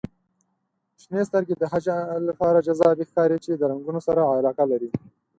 • شنې سترګې د هغه چا لپاره جذابې ښکاري چې د رنګونو سره علاقه لري.